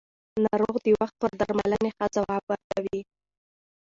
ناروغ د وخت پر درملنې ښه ځواب ورکوي